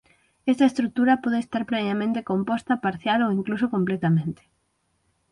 Esta estrutura pode estar previamente composta parcial ou incluso completamente.